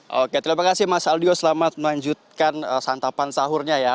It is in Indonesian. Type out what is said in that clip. oke terima kasih mas aldio selamat melanjutkan santapan sahurnya ya